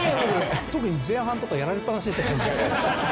特に前半とかやられっぱなしでしたけどね。